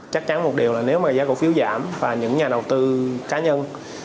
chắc chắn một điều là nếu mà giá cổ phiếu giảm và những nhà đầu tư cá nhân